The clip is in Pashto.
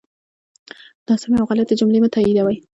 ناسمی او غلطی جملی مه تاییدوی